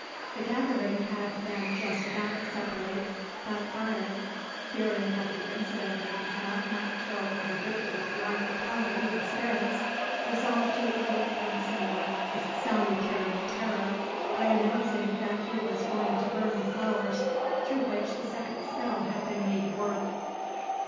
The gathering had been just about to separate, but Barry fearing that the incident of the cat might throw a ridiculous light upon the evil spirits, resolved to awake once more a salutary terror by announcing that he was going to burn the flowers through which the second spell had been made to work.